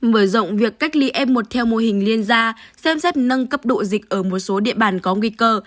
mở rộng việc cách ly f một theo mô hình liên gia xem xét nâng cấp độ dịch ở một số địa bàn có nguy cơ